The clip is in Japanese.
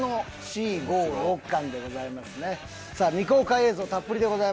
未公開映像たっぷりでございます。